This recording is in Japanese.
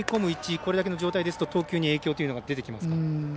これだけの状態ですと投球に影響というのが出てきますかね。